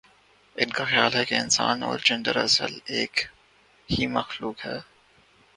ان کا خیال ہے کہ انسان اور جن دراصل ایک ہی مخلوق ہے۔